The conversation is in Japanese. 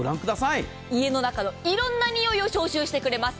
家の中の色んなにおいを消臭してくれます。